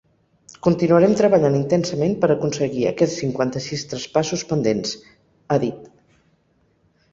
Continuarem treballant intensament per aconseguir aquests cinquanta-sis traspassos pendents, ha dit.